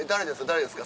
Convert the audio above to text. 誰ですか？